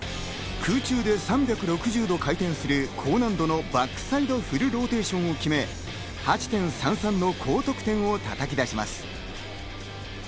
空中で３６０度回転する高難度のバックサイドフルローテーションを決め、８．３３の高得点をたたき出します。